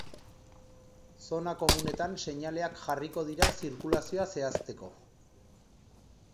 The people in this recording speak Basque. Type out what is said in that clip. Zona komunetan seinaleak jarriko dira zirkulazioa zehazteko.